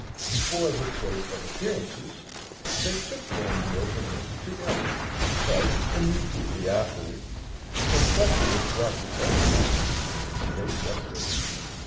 For the sake of appearances, they took their meals of ink together, but immediately afterward, when pressure was brought to bear upon them, they separated.